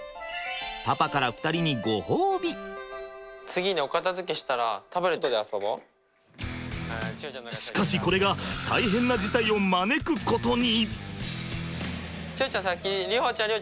パパから次にお片づけしたらしかしこれが大変な事態を招くことに。